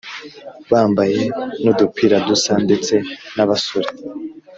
bambaye n’udupira dusa ndetse n’abasore